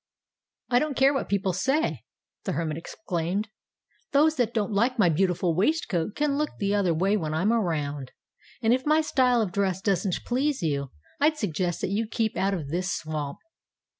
"I don't care what people say!" the Hermit exclaimed. "Those that don't like my beautiful waistcoat can look the other way when I'm around. And if my style of dress doesn't please you, I'd suggest that you keep out of this swamp."